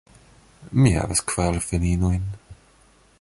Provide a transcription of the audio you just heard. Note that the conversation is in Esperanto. Mi havas kvar filinojn.